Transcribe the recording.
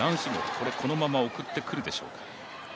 これ、このまま送ってくるでしょうか。